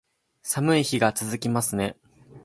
寒い日が続きますね